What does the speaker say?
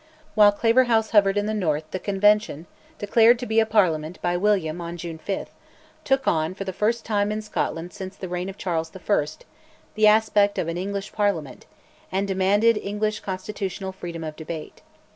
While Claverhouse hovered in the north the Convention (declared to be a Parliament by William on June 5) took on, for the first time in Scotland since the reign of Charles I, the aspect of an English Parliament, and demanded English constitutional freedom of debate.